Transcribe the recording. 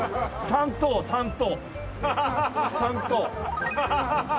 ３等３等。